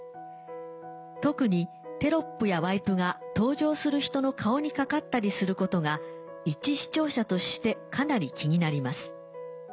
特にテロップやワイプが登場する人の顔にかかったりすることがいち視聴者としてかなり気になります。